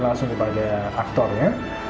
langsung kepada aktornya